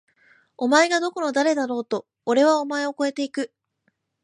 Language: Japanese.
お前がどこの誰だろうと！！おれはお前を超えて行く！！